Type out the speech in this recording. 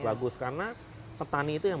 bagus karena petani itu yang